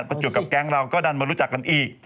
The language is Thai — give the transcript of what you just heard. ประจวบกับแก๊งเราก็ดันมารู้จักกันอีก